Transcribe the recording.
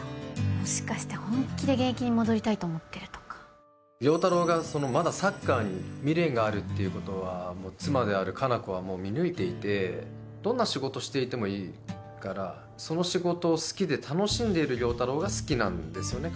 もしかして本気で現役に戻りたいと思ってるとか亮太郎がまだサッカーに未練があるっていうことは妻である果奈子はもう見抜いていてどんな仕事していてもいいからその仕事を好きで楽しんでいる亮太郎が好きなんですよね